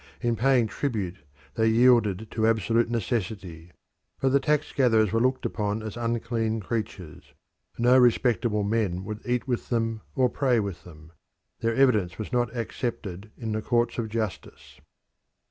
In paying tribute they yielded to absolute necessity, but the tax gatherers were looked upon as unclean creatures; no respectable men would eat with them or pray with them; their evidence was not accepted in the courts of justice.